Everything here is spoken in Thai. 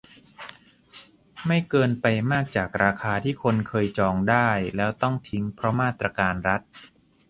ไม่เกินไปมากจากราคาที่คนเคยจองได้แล้วต้องทิ้งเพราะมาตรการรัฐ